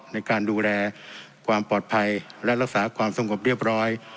ในการดูแลความปลอดภัยและรักษาความสงบเรียบร้อย